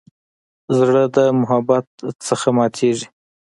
زړه د محبت نه ماتېږي.